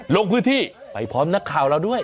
ลงพื้นที่ไปพร้อมนักข่าวเราด้วย